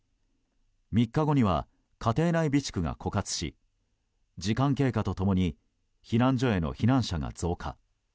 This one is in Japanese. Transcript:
３日後には家庭内備蓄が枯渇し時間経過と共に避難所への避難者が増加。